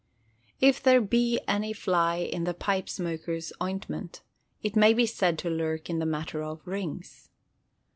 If there be any fly in the pipe smoker's ointment, it may be said to lurk in the matter of "rings."